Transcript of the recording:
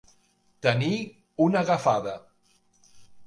Tenir una agafada.